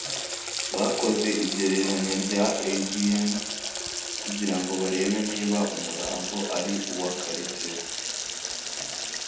bakoze igereranya rya adn kugirango barebe niba umurambo ari uwa karekezi